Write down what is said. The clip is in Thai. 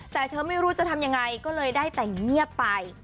แต่เธอไม่รู้จะทำยังไงก็เลยได้แต่เงียบไป